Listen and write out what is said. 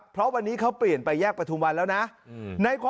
เพราะวันนี้เขาเปลี่ยนไปแยกประทุมวันแล้วนะ